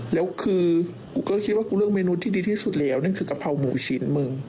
แล้วคือกูก็คิดว่ากูเลือกเมนูที่ดีที่สุดแล้วนั่นคือกะเพราหมูชิ้นมึง